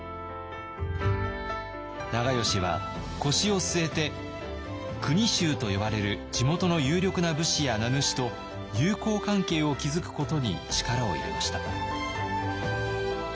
長慶は腰を据えて「国衆」と呼ばれる地元の有力な武士や名主と友好関係を築くことに力を入れました。